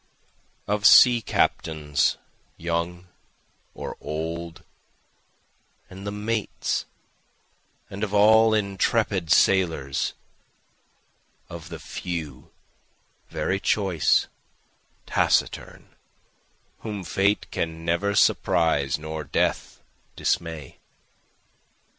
Of sea captains young or old, and the mates, and of all intrepid sailors, Of the few, very choice, taciturn, whom fate can never surprise nor death dismay.